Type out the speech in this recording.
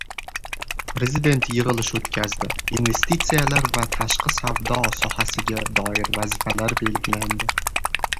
Prezident yig‘ilish o‘tkazdi: investitsiyalar va tashqi savdo sohasiga doir vazifalar belgilandi